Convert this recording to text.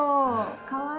かわいい。